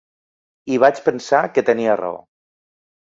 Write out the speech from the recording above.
I vaig pensar que tenia raó.